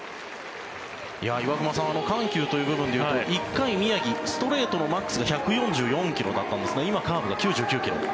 岩隈さん緩急という部分で言うと１回、宮城ストレートのマックスが１４４ｋｍだったんですが今、カーブが９９ｋｍ。